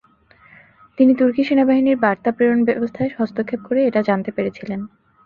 তিনি তুর্কি সেনাবাহিনীর বার্তা প্রেরণ ব্যবস্থায় হস্তক্ষেপ করে এটা জানতে পেরেছিলেন।